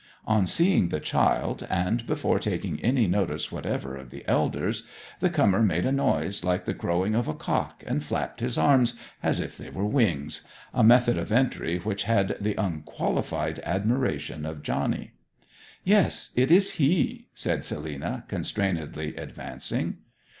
On seeing the child, and before taking any notice whatever of the elders, the comer made a noise like the crowing of a cock and flapped his arms as if they were wings, a method of entry which had the unqualified admiration of Johnny. 'Yes it is he,' said Selina constrainedly advancing.